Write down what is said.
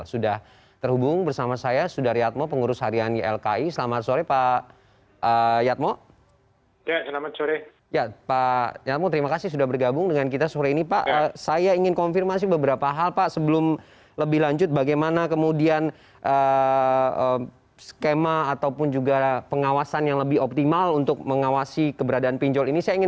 sudah terhubung bersama saya sudariatmo pengurus harian ylki selamat sore pak yatmo